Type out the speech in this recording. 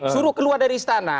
suruh keluar dari istana